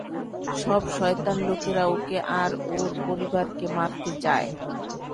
সব শয়তান লোকেরা ওকে আর ওর পরিবারকে মারতে চায়।